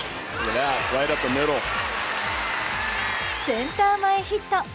センター前ヒット。